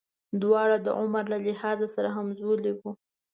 دواړه د عمر له لحاظه سره همزولي وو.